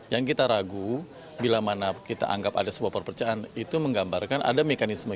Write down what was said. yang kita ragu bila mana kita anggap ada sebuah perpecahan itu menggambarkan ada mekanisme